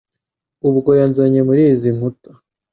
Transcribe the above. ubwo yanzanye muri izi nkuta